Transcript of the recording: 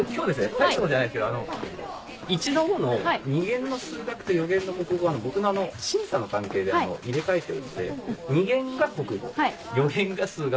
大したことじゃないですけど１の５の２限の数学と４限の国語僕の審査の関係で入れ替えてるんで２限が国語４限が数学っていうことで。